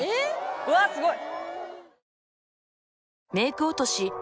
うわっすごい。